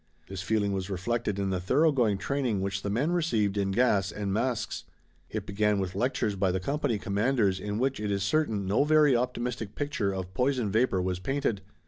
This feeling was reflected in the thoroughgoing training which the men received in gas and masks. It began with lectures by the company commanders in which it is certain no very optimistic picture of poison vapor was painted.